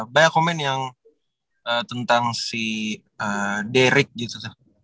banyak komen yang tentang si derik gitu